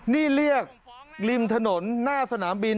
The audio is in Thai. นี่เรียกริมถนนหน้าสนามบิน